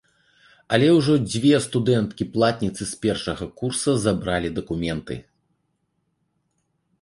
Але ўжо дзве студэнткі-платніцы з першага курса забралі дакументы.